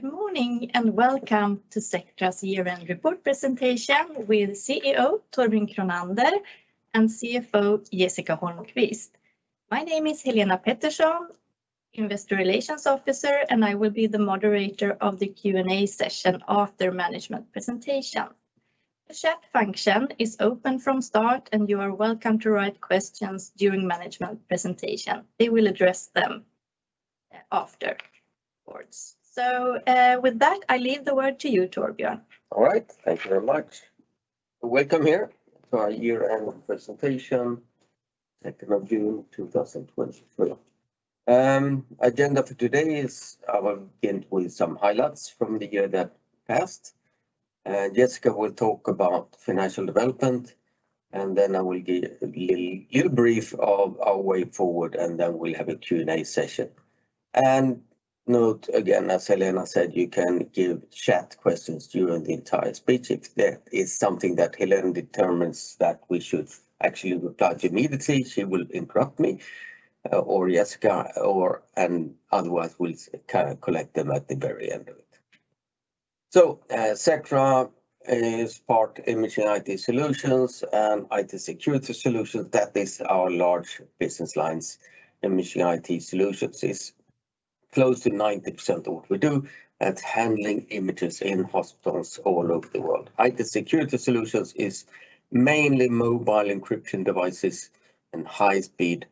Good morning, welcome to Sectra's year-end report presentation with CEO Torbjörn Kronander, and CFO Jessica Holmquist. My name is Helena Pettersson, Investor Relations Officer, and I will be the moderator of the Q&A session after the management presentation. The chat function is open from the start, and you are welcome to write questions during the management presentation. They will address them afterwards. With that, I hand over to you, Torbjörn. All right. Thank you very much. Welcome to our year-end presentation on June 2, 2023. The agenda for today is I will begin with some highlights from the year that passed. Jessica Holmquist will talk about our financial development. I will give a brief overview of our way forward. We'll have a Q&A session. Note, again, as Helena Pettersson said, you can give chat questions during the entire speech. If there is something that Helena Pettersson determines that we should actually reply to immediately, she will interrupt me or Jessica Holmquist, or otherwise, we'll kind of collect them at the very end of it. Sectra is part Imaging IT Solutions and IT Security Solutions. That is our large business lines. Imaging IT Solutions is close to 90% of what we do, at handling images in hospitals all over the world. IT Security Solutions is mainly mobile encryption devices and high-speed,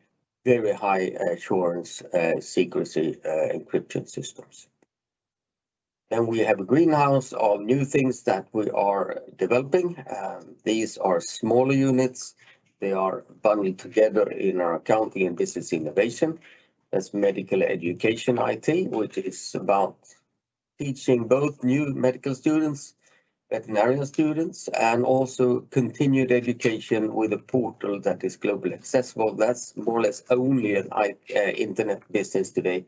very high-assurance secrecy encryption systems. We have a greenhouse of new things that we are developing. These are smaller units. They are bundled together in our accounting, and this is innovation. That's medical education IT, which is about teaching both new medical students, veterinarian students, and also continued education with a portal that is globally accessible. That's more or less only an Internet business today.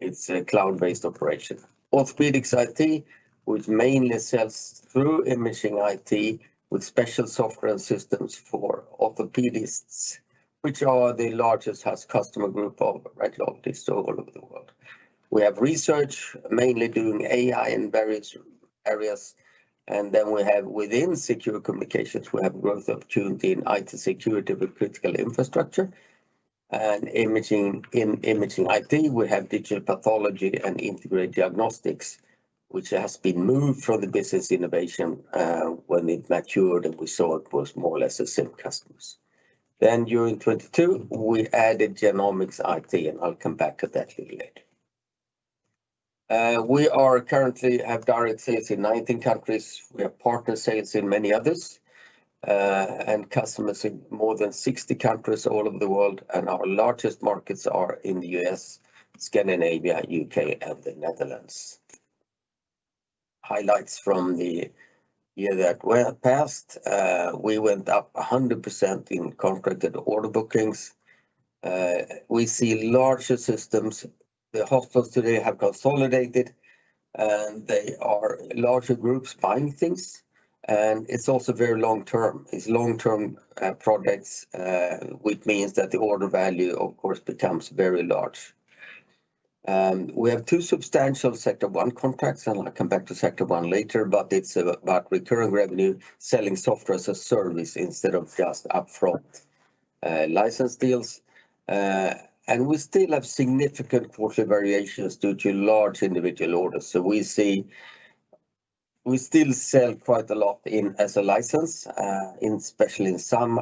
It's a cloud-based operation. Orthopaedics IT, which mainly sells through Imaging IT, with special software and systems for orthopaedists, which are the largest house customer group of radiologists all over the world. We have research, mainly doing AI in various areas, and then we have within Secure Communications, we have growth opportunity in IT Security with critical infrastructure and imaging. In Imaging IT, we have digital pathology and integrated diagnostics, which has been moved from the business innovation, when it matured, and we saw it was more or less the same customers. During 2022, we added Genomics IT, and I'll come back to that a little later. We are currently have direct sales in 19 countries. We have partner sales in many others, and customers in more than 60 countries all over the world, and our largest markets are in the U.S., Scandinavia, U.K., and the Netherlands. Highlights from the year that well, passed, we went up 100% in contracted order bookings. We see larger systems. The hospitals today have consolidated, and they are larger groups buying things, and it's also very long term. It's long-term products, which means that the order value, of course, becomes very large. We have two substantial Sectra One contracts, and I'll come back to Sectra One later, but it's about recurring revenue, selling software as a service instead of just upfront license deals. We still have significant quarter variations due to large individual orders. We still sell quite a lot in as a license, especially in some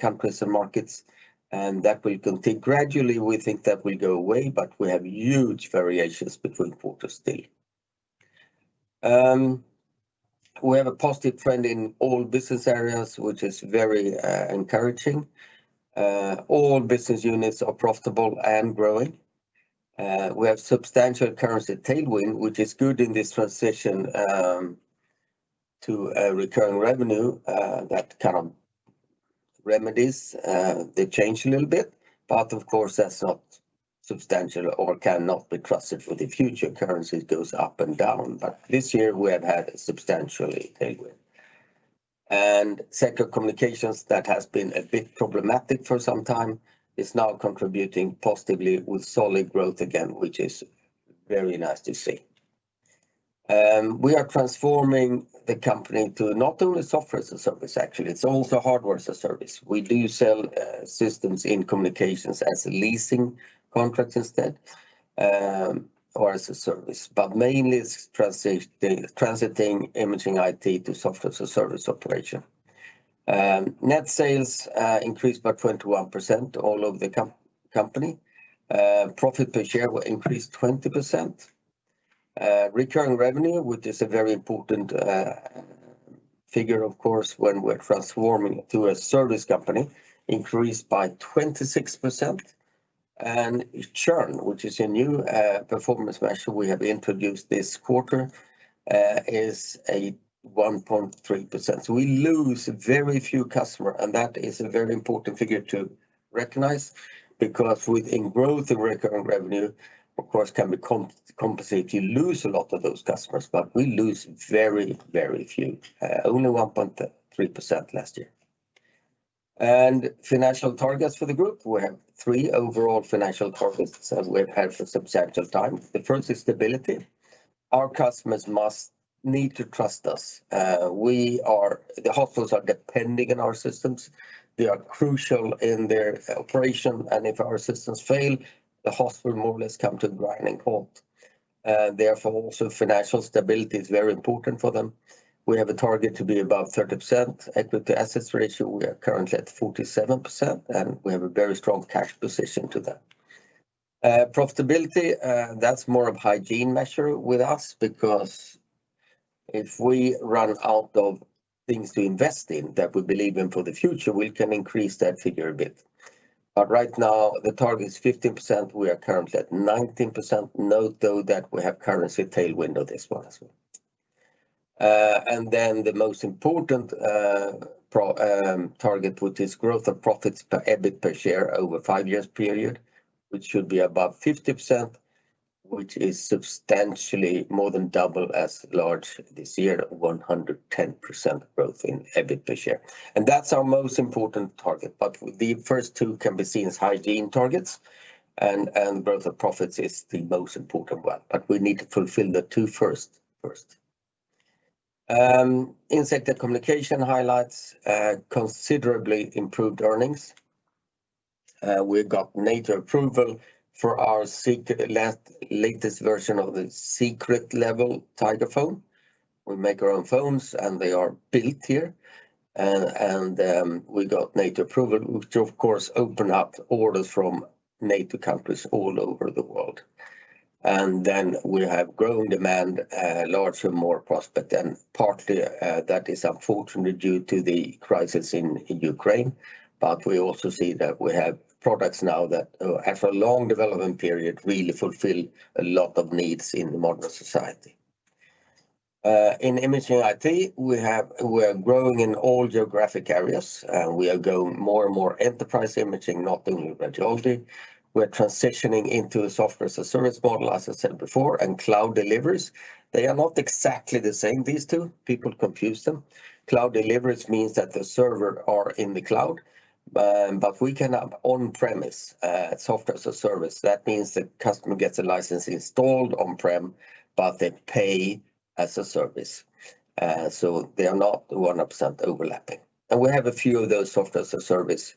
countries and markets, and that will continue. Gradually, we think that will go away, but we have huge variations between quarters still. We have a positive trend in all business areas, which is very encouraging. All business units are profitable and growing. We have substantial currency tailwind, which is good in this transition, to recurring revenue, that kind of remedies, they change a little bit, but of course, that's not substantial or cannot be trusted for the future. Currency goes up and down, this year we have had substantially tailwind. Sectra Communications, that has been a bit problematic for some time, is now contributing positively with solid growth again, which is very nice to see. We are transforming the company to not only software as a service, actually, it's also hardware as a service. We do sell systems in communications as a leasing contract instead, or as a service, but mainly it's transiting Imaging IT to software as a service operation. Net sales increased by 21% all over the company. Profit per share increased 20%. Recurring revenue, which is a very important figure, of course, when we're transforming to a service company, increased by 26%, and churn, which is a new performance measure we have introduced this quarter, is a 1.3%. We lose very few customers, and that is a very important figure to recognize, because within growth and recurring revenue, of course, can be compensated. You lose a lot of those customers, but we lose very, very few, only 1.3% last year. Financial targets for the group, we have three overall financial targets as we've had for substantial time. The first is stability. Our customers must need to trust us. The hospitals are depending on our systems. They are crucial in their operation, and if our systems fail, the hospital more or less come to a grinding halt. Therefore, also financial stability is very important for them. We have a target to be above 30%. Equity assets ratio, we are currently at 47%, and we have a very strong cash position to that. Profitability, that's more of hygiene measure with us, because if we run out of things to invest in that we believe in for the future, we can increase that figure a bit. Right now, the target is 15%. We are currently at 19%. Note, though, that we have currency tailwind on this one as well. The most important target, which is growth of profits per EBIT per share over 5 years period, which should be above 50%, which is substantially more than double as large this year, 110% growth in EBIT per share. That's our most important target, but the 2 first can be seen as hygiene targets, and growth of profits is the most important one, but we need to fulfill the 2 first. In Sectra Communications highlights, considerably improved earnings. We've got NATO approval for our latest version of the SECRET level Tiger Phone. We make our own phones, and they are built here. We got NATO approval, which of course open up orders from NATO countries all over the world. We have growing demand, large and more prospect, partly that is unfortunately due to the crisis in Ukraine, we also see that we have products now that after a long development period, really fulfill a lot of needs in the modern society. In Imaging IT, we are growing in all geographic areas, and we are going more and more enterprise imaging, not only radiology. We're transitioning into a software as a service model, as I said before, and cloud deliveries. They are not exactly the same, these two. People confuse them. Cloud deliveries means that the server are in the cloud, but we can have on-premise software as a service. That means the customer gets a license installed on-prem, but they pay as a service. They are not 100% overlapping. We have a few of those software as a service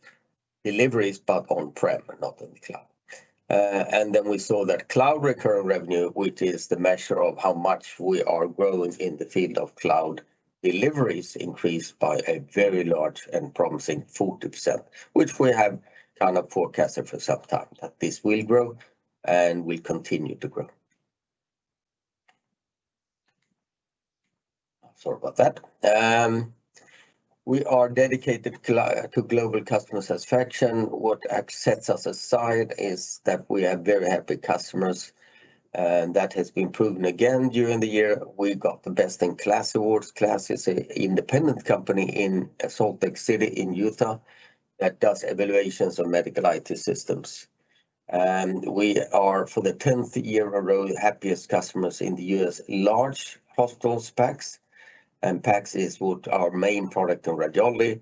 deliveries, but on-prem, not on the cloud. We saw that cloud recurring revenue, which is the measure of how much we are growing in the field of cloud deliveries, increased by a very large and promising 40%, which we have kind of forecasted for some time, that this will grow and will continue to grow. Sorry about that. We are dedicated to global customer satisfaction. What sets us aside is that we have very happy customers, and that has been proven again during the year. We got the Best in KLAS Awards. KLAS is an independent company in Salt Lake City in Utah that does evaluations on medical IT systems. We are, for the 10th year in a row, the happiest customers in the U.S., large hospital PACS. PACS is what our main product of radiology,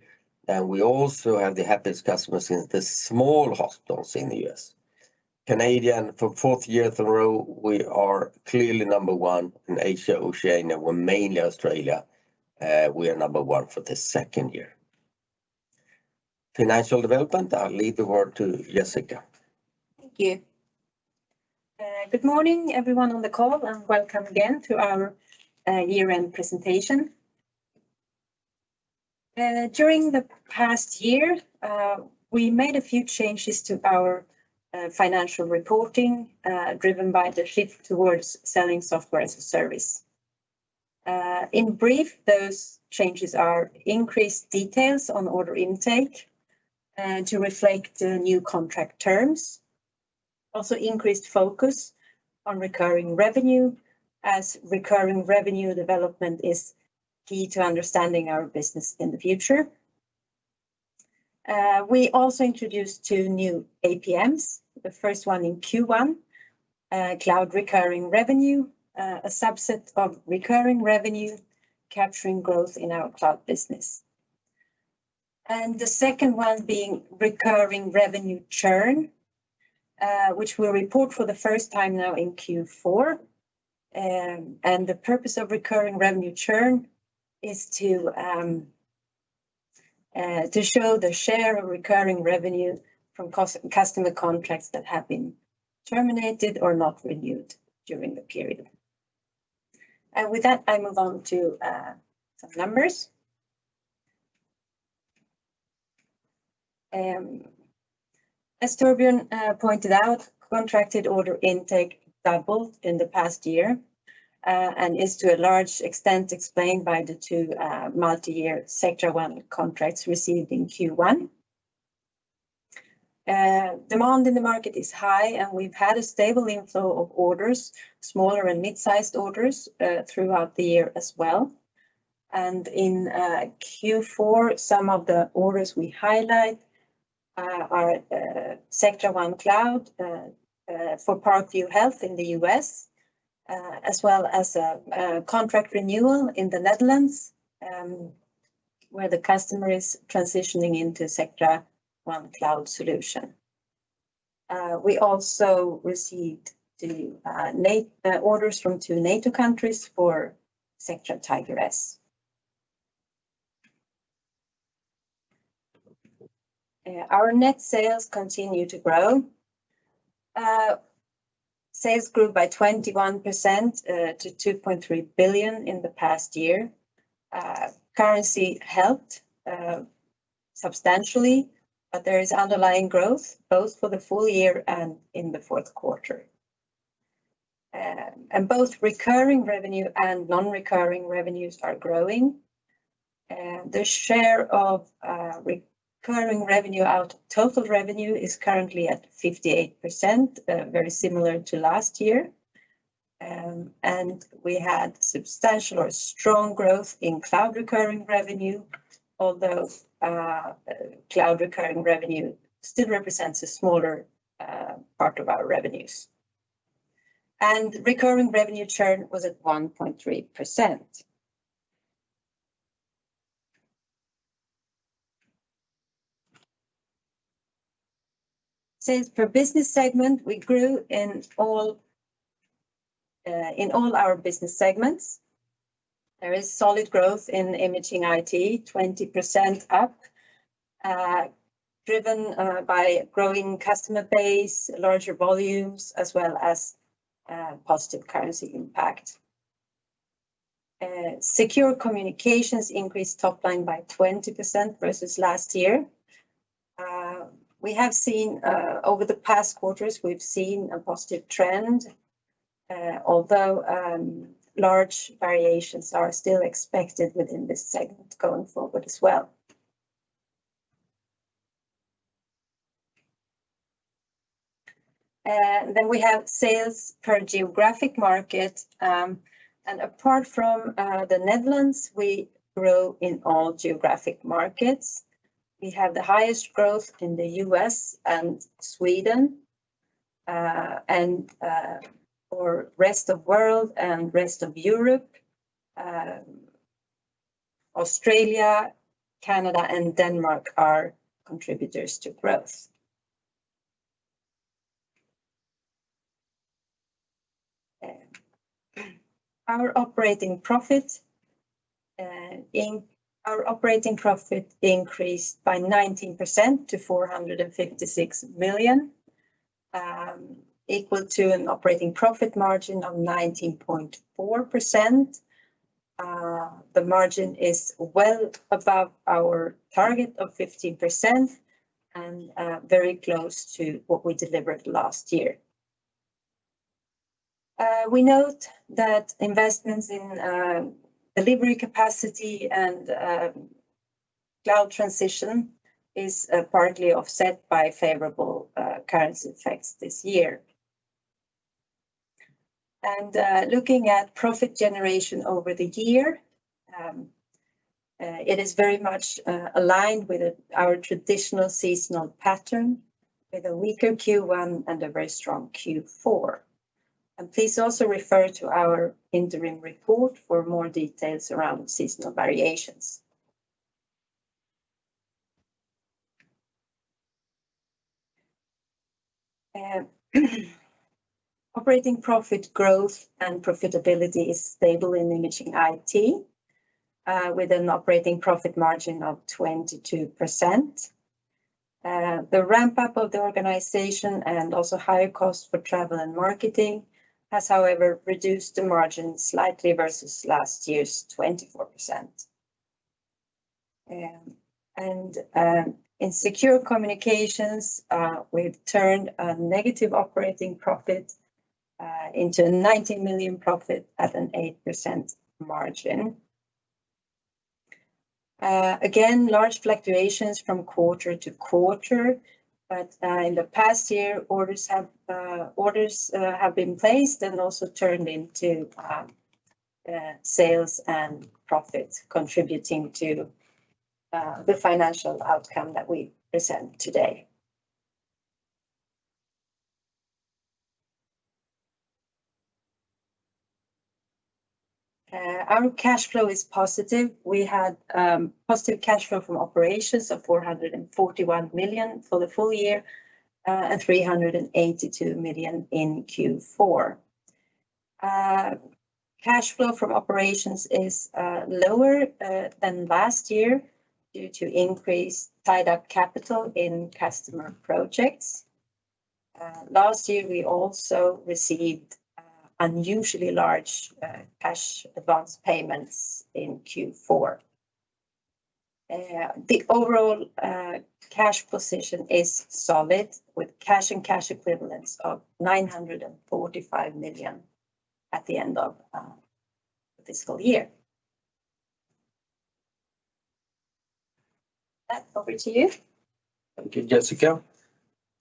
and we also have the happiest customers in the US. Canadian, for fourth year in a row, we are clearly number one. In Asia, Oceania, we're mainly Australia, we are number one for the second year. Financial development, I'll leave the word to Jessica. Thank you. Good morning, everyone on the call, and welcome again to our year-end presentation. During the past year, we made a few changes to our financial reporting, driven by the shift towards selling software as a service. In brief, those changes are increased details on order intake, to reflect the new contract terms. Increased focus on recurring revenue, as recurring revenue development is key to understanding our business in the future. We also introduced 2 new APMs. The first one in Q1, cloud recurring revenue, a subset of recurring revenue, capturing growth in our cloud business. The second one being recurring revenue churn, which we'll report for the first time now in Q4. The purpose of recurring revenue churn is to show the share of recurring revenue from customer contracts that have been terminated or not renewed during the period. With that, I move on to some numbers. As Torbjörn pointed out, contracted order intake doubled in the past year and is to a large extent explained by the two multi-year Sectra One contracts received in Q1. Demand in the market is high, we've had a stable inflow of orders, smaller and mid-sized orders throughout the year as well. In Q4, some of the orders we highlight are Sectra One Cloud for Parkview Health in the US, as well as a contract renewal in the Netherlands, where the customer is transitioning into Sectra One Cloud solution. We also received the NATO orders from two NATO countries for Sectra Tiger/S. Our net sales continue to grow. Sales grew by 21% to 2.3 billion in the past year. Currency helped substantially, but there is underlying growth, both for the full year and in the Q4. Both recurring revenue and non-recurring revenues are growing. The share of recurring revenue out of total revenue is currently at 58%, very similar to last year. We had substantial or strong growth in cloud recurring revenue, although cloud recurring revenue still represents a smaller part of our revenues. Recurring revenue churn was at 1.3%. Sales per business segment, we grew in all our business segments. There is solid growth in Imaging IT, 20% up, driven by growing customer base, larger volumes, as well as positive currency impact. Secure Communications increased top line by 20% versus last year. Over the past quarters, we've seen a positive trend, although large variations are still expected within this segment going forward as well. We have sales per geographic market, and apart from the Netherlands, we grew in all geographic markets. We have the highest growth in the US and Sweden, and for rest of world and rest of Europe, Australia, Canada, and Denmark are contributors to growth. Our operating profit increased by 19% to 456 million, equal to an operating profit margin of 19.4%. The margin is well above our target of 15% and very close to what we delivered last year. We note that investments in delivery capacity and cloud transition is partly offset by favorable currency effects this year. Looking at profit generation over the year, it is very much aligned with our traditional seasonal pattern, with a weaker Q1 and a very strong Q4. Please also refer to our interim report for more details around seasonal variations. Operating profit growth and profitability is stable in Imaging IT, with an operating profit margin of 22%. The ramp-up of the organization and also higher costs for travel and marketing has, however, reduced the margin slightly versus last year's 24%. In Secure Communications, we've turned a negative operating profit into a 19 million profit at an 8% margin. Again, large fluctuations from quarter to quarter, but in the past year, orders have been placed and also turned into sales and profits, contributing to the financial outcome that we present today. Our cash flow is positive. We had positive cash flow from operations of 441 million for the full year, and 382 million in Q4. Cash flow from operations is lower than last year due to increased tied-up capital in customer projects. Last year, we also received unusually large cash advance payments in Q4. The overall cash position is solid, with cash and cash equivalents of 945 million at the end of the fiscal year. Per, over to you. Thank you, Jessica.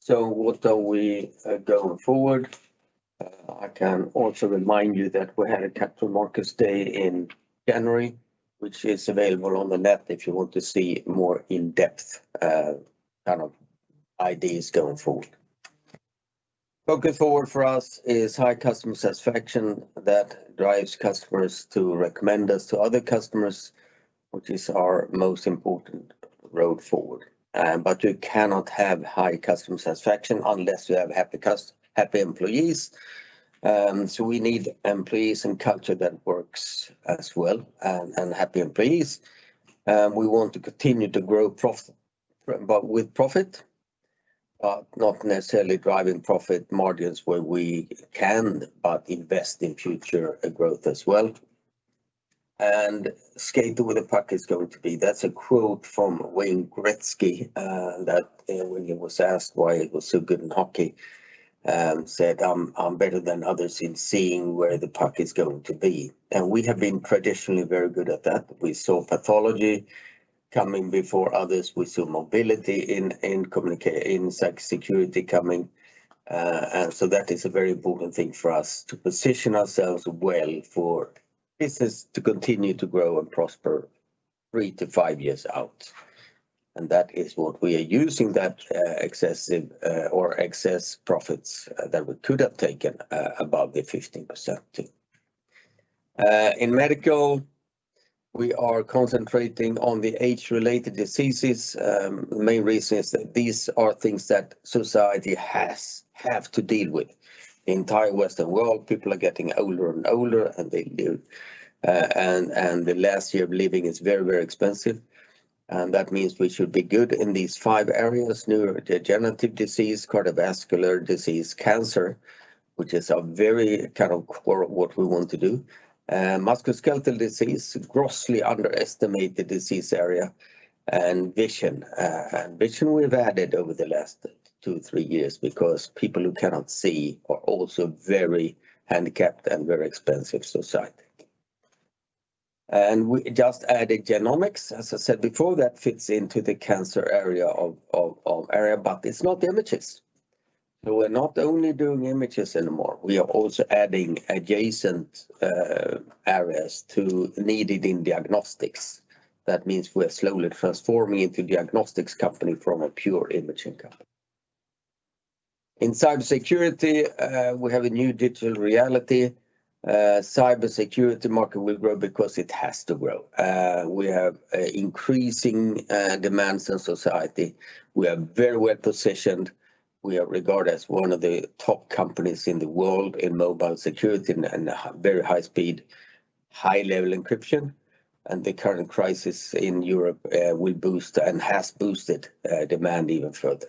What are we going forward? I can also remind you that we had a Capital Markets Day in January, which is available on the net if you want to see more in-depth, kind of ideas going forward. Focus forward for us is high customer satisfaction that drives customers to recommend us to other customers, which is our most important road forward. You cannot have high customer satisfaction unless you have happy employees. We need employees and culture that works as well, and happy employees. We want to continue to grow profit, with profit, not necessarily driving profit margins where we can, but invest in future growth as well. skate to where the puck is going to be," that's a quote from Wayne Gretzky, that when he was asked why he was so good in hockey, said, "I'm better than others in seeing where the puck is going to be." We have been traditionally very good at that. We saw pathology coming before others. We saw mobility in security coming. That is a very important thing for us to position ourselves well for business to continue to grow and prosper three to five years out. That is what we are using, that, excessive, or excess profits, that we could have taken, above the 15% thing. In medical, we are concentrating on the age-related diseases. The main reason is that these are things that society has, have to deal with. The entire Western world, people are getting older and older, and they live, the last year of living is very, very expensive, and that means we should be good in these five areas: neurodegenerative disease, cardiovascular disease, cancer, which is a very kind of core of what we want to do, musculoskeletal disease, grossly underestimated disease area, and vision. Vision we've added over the last two, three years because people who cannot see are also very handicapped and very expensive society. We just added genomics. As I said before, that fits into the cancer area of area, but it's not images. We're not only doing images anymore, we are also adding adjacent areas to needed in diagnostics. Means we're slowly transforming into diagnostics company from a pure imaging company. In cybersecurity, we have a new digital reality. Cybersecurity market will grow because it has to grow. We have increasing demands in society. We are very well-positioned. We are regarded as one of the top companies in the world in mobile security and very high speed, high-level encryption, and the current crisis in Europe will boost and has boosted demand even further.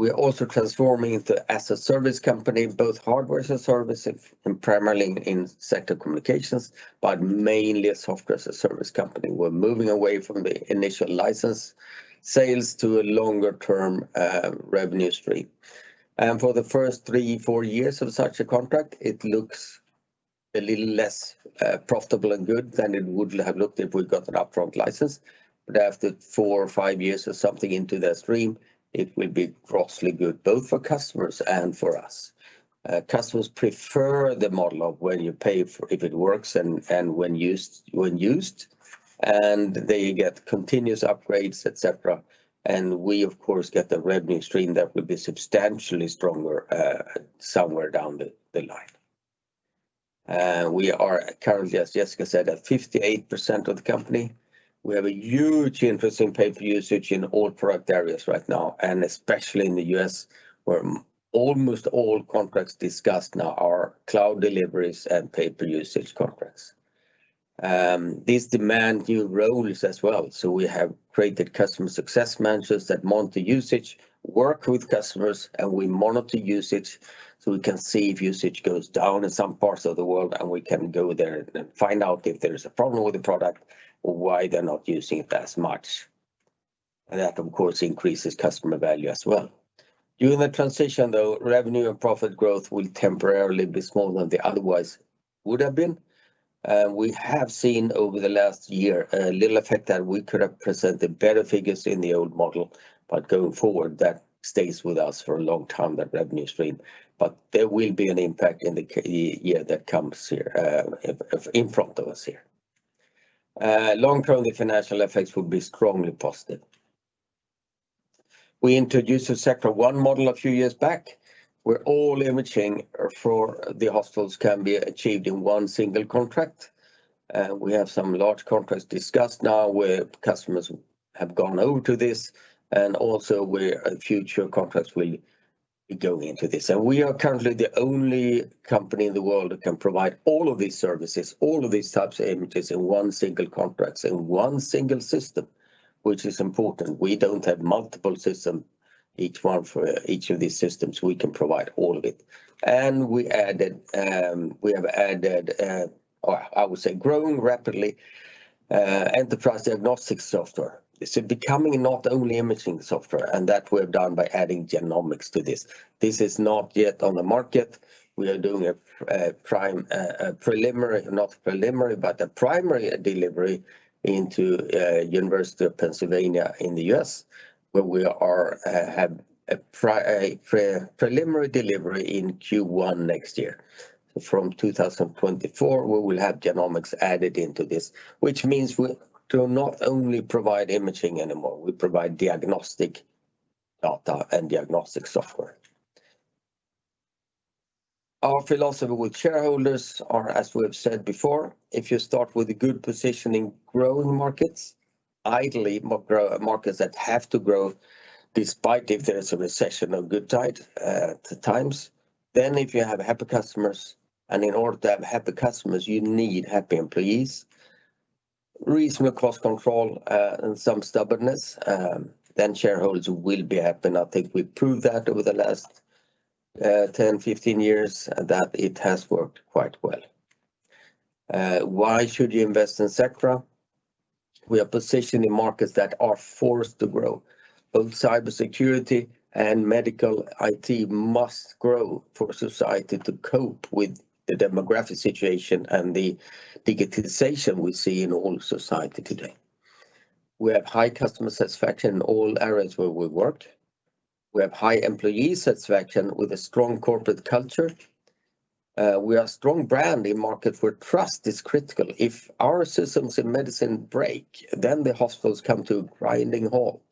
We're also transforming into as a service company, both hardware as a service and primarily in Sectra Communications, but mainly a software as a service company. We're moving away from the initial license sales to a longer-term revenue stream. For the first three, four years of such a contract, it looks a little less profitable and good than it would have looked if we'd got an upfront license. After four or five years or something into the stream, it will be grossly good, both for customers and for us. Customers prefer the model of when you pay for if it works and when used, and they get continuous upgrades, et cetera. We, of course, get the revenue stream that will be substantially stronger somewhere down the line. We are currently, as Jessica said, at 58% of the company. We have a huge interest in pay per use in all product areas right now, and especially in the U.S., where almost all contracts discussed now are cloud deliveries and pay per use contracts. This demand new roles as well, so we have created customer success managers that monitor usage, work with customers, and we monitor usage, so we can see if usage goes down in some parts of the world, and we can go there and find out if there is a problem with the product or why they're not using it as much. That, of course, increases customer value as well. During the transition, though, revenue and profit growth will temporarily be smaller than they otherwise would have been. We have seen over the last year a little effect that we could have presented better figures in the old model, going forward, that stays with us for a long time, that revenue stream. There will be an impact in the year that comes here, in front of us here. Long-term, the financial effects will be strongly positive. We introduced a Sectra One model a few years back, where all imaging for the hospitals can be achieved in one single contract. We have some large contracts discussed now where customers have gone over to this, and also where future contracts will be going into this. We are currently the only company in the world that can provide all of these services, all of these types of images in one single contract, in one single system, which is important. We don't have multiple system, each one for each of these systems. We can provide all of it. We have added enterprise diagnostic software. It's becoming not only imaging software, and that we've done by adding genomics to this. This is not yet on the market. We are doing a primary delivery into University of Pennsylvania in the US, where we have a preliminary delivery in Q1 next year. From 2024, we will have genomics added into this, which means we will not only provide imaging anymore, we provide diagnostic data and diagnostic software. Our philosophy with shareholders are, as we have said before, if you start with a good position in growing markets, ideally, markets that have to grow, despite if there is a recession or good tight times, then if you have happy customers, and in order to have happy customers, you need happy employees, reasonable cost control, and some stubbornness, then shareholders will be happy. I think we've proved that over the last 10, 15 years, that it has worked quite well. Why should you invest in Sectra? We are positioned in markets that are forced to grow. Both cybersecurity and medical IT must grow for society to cope with the demographic situation and the digitization we see in all society today. We have high customer satisfaction in all areas where we worked. We have high employee satisfaction with a strong corporate culture. We are a strong brand in market where trust is critical. If our systems in medicine break, the hospitals come to a grinding halt.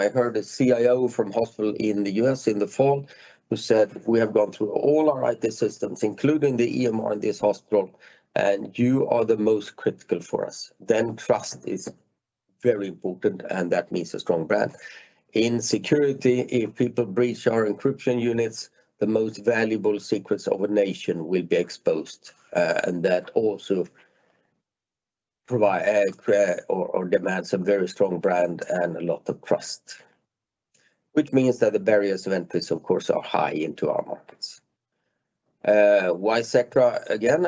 I heard a CIO from hospital in the U.S. in the fall, who said, "We have gone through all our IT systems, including the EMR in this hospital, and you are the most critical for us." Trust is very important, and that means a strong brand. In security, if people breach our encryption units, the most valuable secrets of a nation will be exposed, and that also provide or demands a very strong brand and a lot of trust. Which means that the barriers to entrance, of course, are high into our markets. Why Sectra? Again,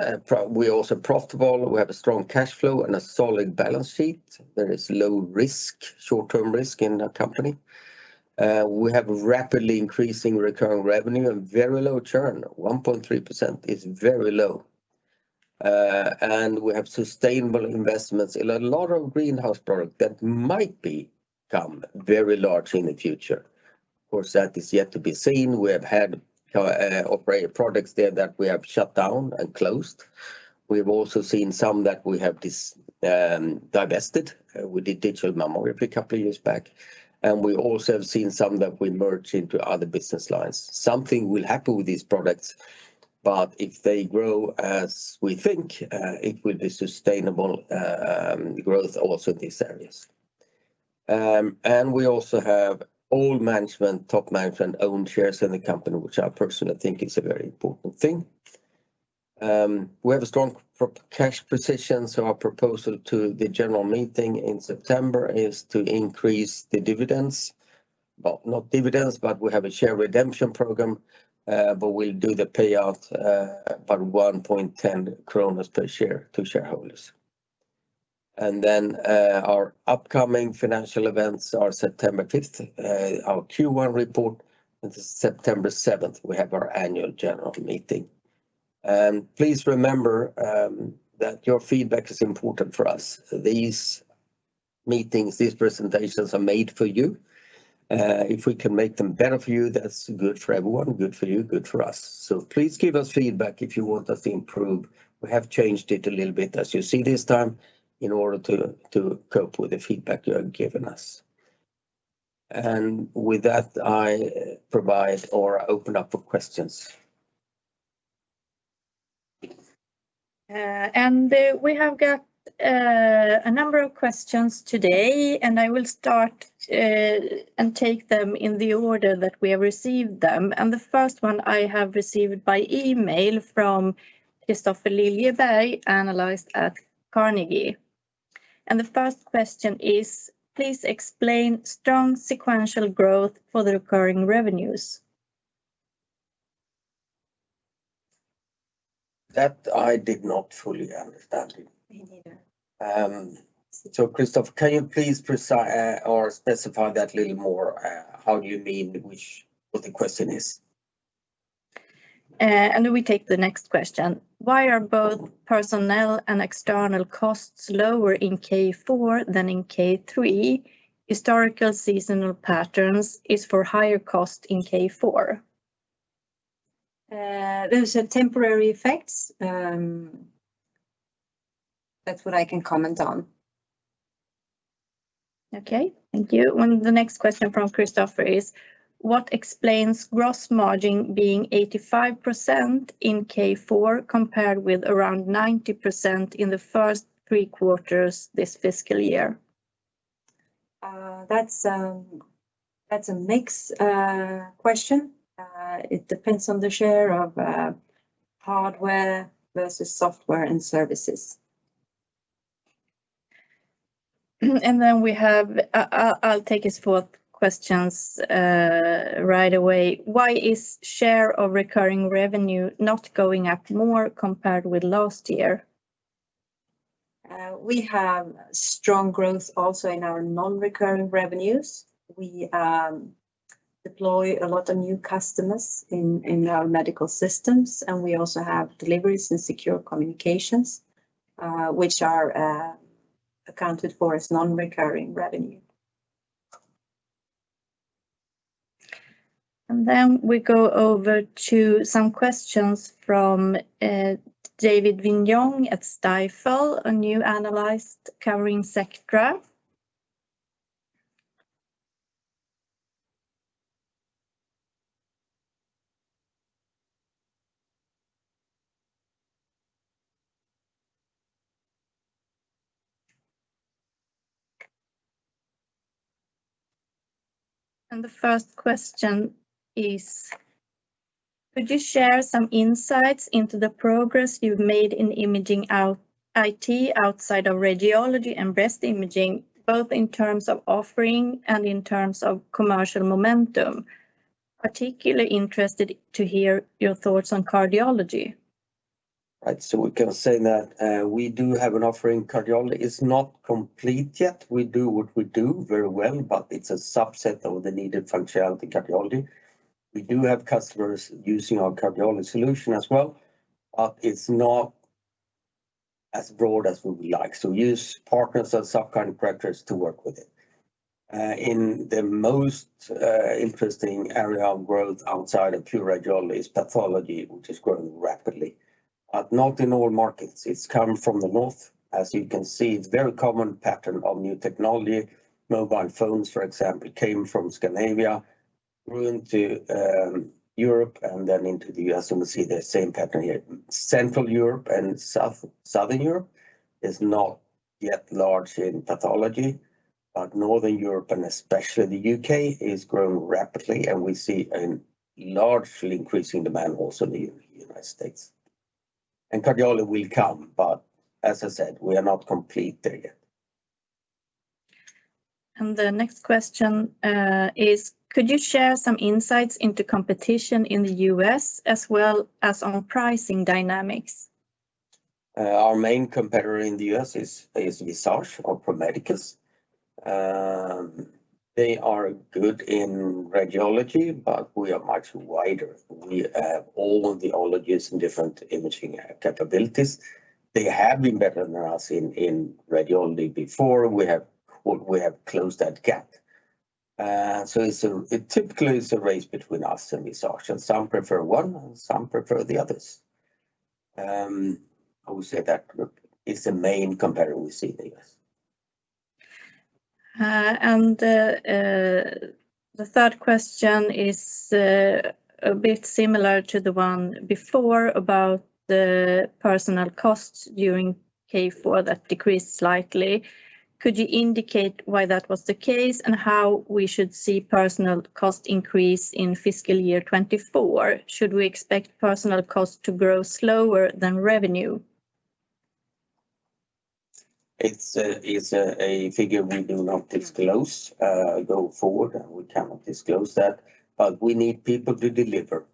we're also profitable, we have a strong cash flow, and a solid balance sheet. There is low risk, short-term risk in the company. We have rapidly increasing recurring revenue and very low churn. 1.3% is very low. We have sustainable investments in a lot of greenhouse product that might become very large in the future. Of course, that is yet to be seen. We have had operate products there that we have shut down and closed. We've also seen some that we have divested. We did digital mammography a couple of years back, and we also have seen some that we merged into other business lines. Something will happen with these products. If they grow as we think, it will be sustainable growth also in these areas. We also have all management, top management, own shares in the company, which I personally think is a very important thing. We have a strong cash position. Our proposal to the general meeting in September is to increase the dividends. Well, not dividends, but we have a share redemption program, but we'll do the payout about 1.10 kronor per share to shareholders. Our upcoming financial events are September 5th, our Q1 report, and September 7th, we have our annual general meeting. Please remember that your feedback is important for us. These meetings, these presentations, are made for you. If we can make them better for you, that's good for everyone, good for you, good for us. Please give us feedback if you want us to improve. We have changed it a little bit, as you see this time, in order to cope with the feedback you have given us. I open up for questions. We have got a number of questions today, and I will start and take them in the order that we have received them. The first one I have received by email from Kristoffer Liljeberg, analyst at Carnegie. The first question is, "Please explain strong sequential growth for the recurring revenues. That I did not fully understand. Me neither. Kristoffer, can you please specify that a little more? What do you mean? What is the question? We take the next question: "Why are both personnel and external costs lower in Q4 than in Q3? Historical seasonal patterns are for higher cost in Q4. Those are temporary effects. That's what I can comment on. Okay, thank you. The next question from Kristoffer is: "What explains gross margin being 85% in Q4, compared with around 90% in the first three quarters this fiscal year? That's a mixed question. It depends on the share of hardware versus software and services. I will take his fourth question right away. "Why is share of recurring revenue not going up more compared with last year? We have strong growth also in our non-recurring revenues. We deploy a lot of new customers in our medical systems. We also have deliveries in Secure Communications, which are accounted for as non-recurring revenue. We go over to some questions from David Vignon at Stifel, a new analyst covering Sectra. The first question is: "Could you share some insights into the progress you've made in imaging IT outside of radiology and breast imaging, both in terms of offering and in terms of commercial momentum? Particularly interested to hear your thoughts on cardiology. We can say that we do have an offering in cardiology. It's not complete yet. We do what we do very well, but it's a subset of the needed functionality in cardiology. We do have customers using our cardiology solution as well, but it's not as broad as we would like. We use partners and software contractors to work with it. In the most interesting area of growth outside of pure radiology is pathology, which is growing rapidly, but not in all markets. It's come from the north. As you can see, it's a very common pattern of new technology. Mobile phones, for example, came from Scandinavia, grew into Europe, and then into the US, and we see the same pattern here. Central Europe and Southern Europe is not yet large in pathology, but Northern Europe, and especially the UK, is growing rapidly, and we see a largely increasing demand also in the United States. Cardiology will come, but as I said, we are not complete there yet. The next question is, "Could you share some insights into competition in the U.S., as well as on pricing dynamics? Our main competitor in the US is Visage or Pro Medicus. They are good in radiology, but we are much wider. We have all the ologies and different imaging capabilities. They have been better than us in radiology before. We have closed that gap. It typically is a race between us and Visage, and some prefer one, and some prefer the others. I would say that is the main competitor we see in the US. The third question is a bit similar to the one before about the personnel costs during Q4 that decreased slightly. "Could you indicate why that was the case and how we should see personal cost increase in fiscal year 2024? Should we expect personal cost to grow slower than revenue? It is a figure we do not disclose going forward, and we cannot disclose that, but we need people to deliver.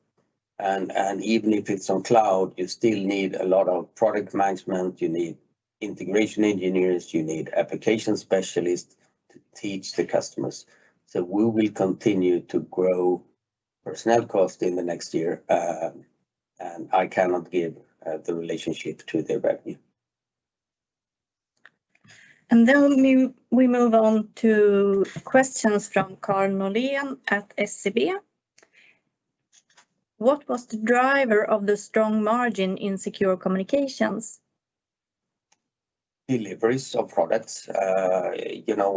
Even if it's on cloud, you still need a lot of product management, you need integration engineers, you need application specialists to teach the customers. We will continue to grow personnel cost in the next year, and I cannot give the relationship to the revenue. We move on to questions from Carl Nolen at SEB. "What was the driver of the strong margin in Secure Communications? Deliveries of products. You know,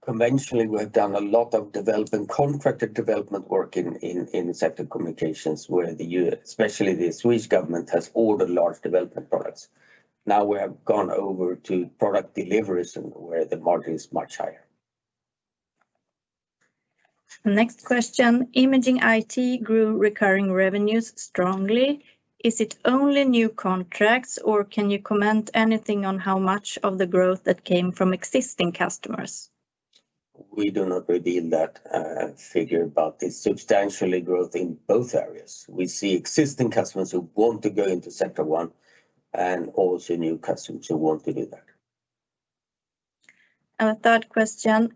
conventionally, we have done a lot of development, contracted development work in Sectra Communications, where especially the Swedish government, has ordered large development products. Now we have gone over to product deliveries and where the margin is much higher. Next question: "Imaging IT grew recurring revenues strongly. Is it only new contracts, or can you comment anything on how much of the growth that came from existing customers? We do not reveal that figure, but it's substantially growth in both areas. We see existing customers who want to go into Sectra One, and also new customers who want to do that. A third question: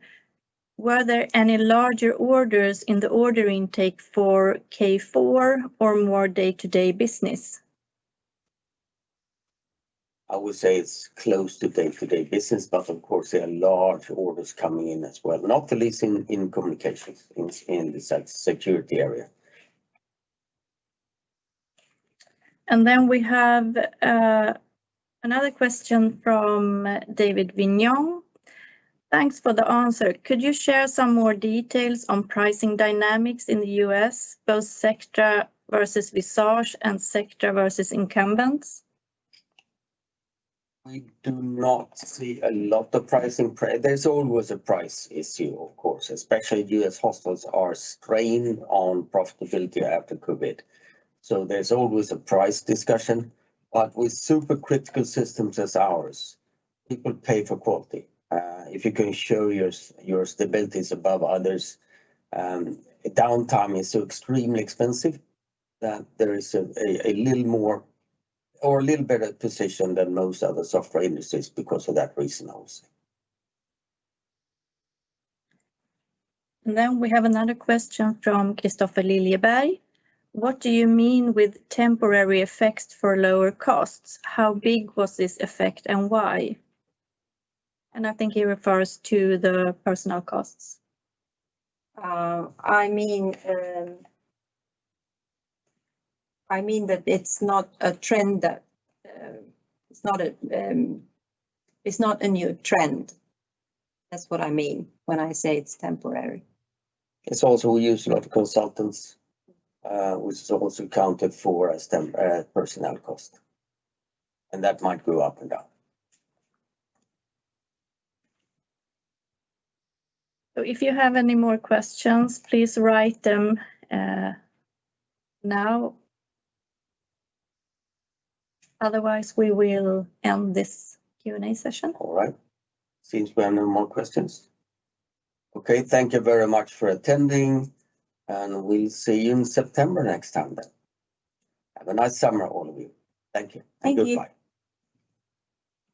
"Were there any larger orders in the order intake for Q4 or more day-to-day business? I would say it's close to day-to-day business, but of course, there are large orders coming in as well, not the least in communications, in the security area. We have another question from David Vignon. "Thanks for the answer. Could you share some more details on pricing dynamics in the U.S., both Sectra versus Visage and Sectra versus incumbents? I do not see a lot of pricing. There's always a price issue, of course, especially U.S. hospitals are strained on profitability after COVID, so there's always a price discussion. With super critical systems as ours, people pay for quality. If you can show your stability is above others, downtime is so extremely expensive that there is a little more or a little better position than most other software industries because of that reason also. We have another question from Kristofer Liljeberg: "What do you mean with temporary effects for lower costs? How big was this effect, and why?" He refers to the personnel costs. I mean that it's not a trend that it's not a new trend. That's what I mean when I say it's temporary. It's also, we use a lot of consultants, which are also accounted for as temporary personnel costs, and that might go up and down. If you have any more questions, please write them now. Otherwise, we will end this Q&A session. All right. Seems to be no more questions. Okay, thank you very much for attending, and we'll see you in September next time then. Have a nice summer, all of you. Thank you. Thank you. Goodbye.